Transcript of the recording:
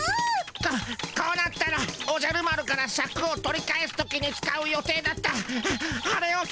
ここうなったらおじゃる丸からシャクを取り返す時に使う予定だったアレを使うでゴンス。